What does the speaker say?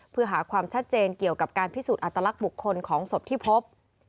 เพื่อหาความชัดเจนเกี่ยวกับการพิสูจน์อัตลักษณ์บุคคลของศพที่พบ